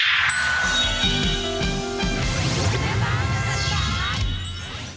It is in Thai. ชอบมาก